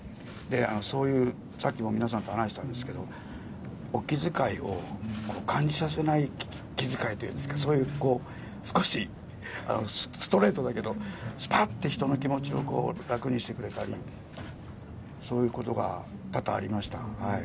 そういう、さっきも皆さんと話してたんですけど、お気遣いを感じさせない気遣いというんですか、そういうこう、少しストレートだけど、すぱって人の気持ちを楽にしてくれたり、そういうことが多々ありました。